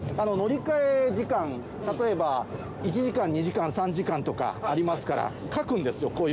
乗り換え時間例えば１時間２時間３時間とかありますから描くんですよ